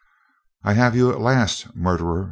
"I have you at last, murderer!"